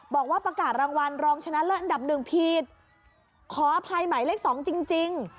บอกว่าประกาศรางวัลรองชนะเลิศอันดับหนึ่งผิดขออภัยหมายเลขสองจริง